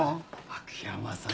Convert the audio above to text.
秋山さん。